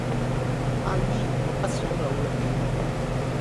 阿姨我不想努力了